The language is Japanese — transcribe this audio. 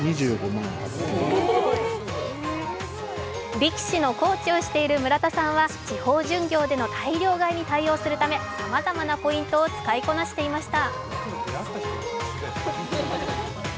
力士のコーチをしている村田さんは地方巡業での大量買いに対応するためさまざまなポイントを使いこなしていました。